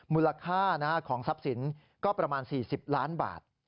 มูลค่าของทรัพย์สินก็ประมาณ๔๐ล้านบาท